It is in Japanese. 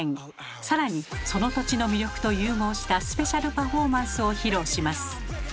更にその土地の魅力と融合したスペシャルパフォーマンスを披露します。